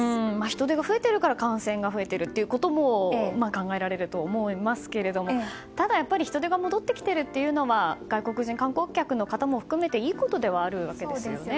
人出が増えているから感染が増えていることも考えられると思いますがただ、人出が戻ってきているのは外国人観光客の方も含めていいことではあるわけですよね。